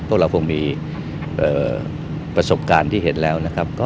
พวกเราคงมีประสบการณ์ที่เห็นแล้วนะครับ